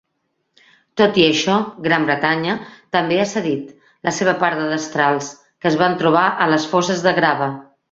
Tot i això, Gran Bretanya també ha cedit la seva part de destrals, que es van trobar a les fosses de grava.